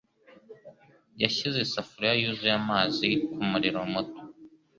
yashyize isafuriya yuzuye amazi kumuriro muto.